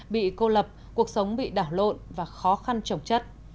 bị cô lập cuộc sống bị đảo lộn và khó khăn trồng chất